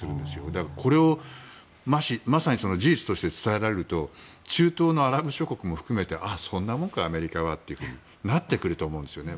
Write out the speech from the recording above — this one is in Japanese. だからこれをまさに事実として伝えられると中東のアラブ諸国も含めてあ、そんなもんかアメリカはとなってくると思うんですね。